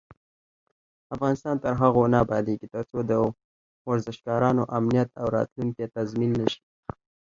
افغانستان تر هغو نه ابادیږي، ترڅو د ورزشکارانو امنیت او راتلونکی تضمین نشي.